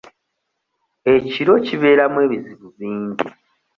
Ekiro kibeeramu ebizibu bingi.